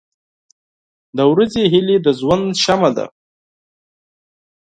• د ورځې هیلې د ژوند شمع ده.